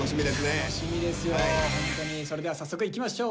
それでは早速いきましょう。